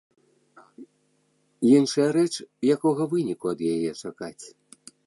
Іншая рэч, якога выніку ад яе чакаць?